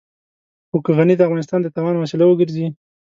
خو که غني د افغانستان د تاوان وسيله وګرځي.